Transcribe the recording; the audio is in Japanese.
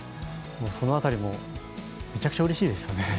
その辺りもメチャクチャうれしいですよね。